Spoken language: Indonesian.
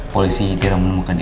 nah ini harusnya tanam